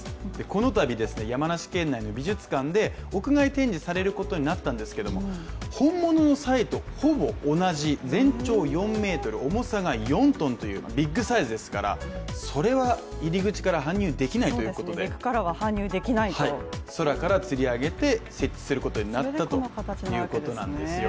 このたび、山梨県内の美術館で屋外展示されることになったんですが、本物のサイとほぼ同じ、全長４ｍ重さが４ｔというビッグサイズですからそれは入り口から搬入できないということで空からつり上げて設置することになったということなんですね。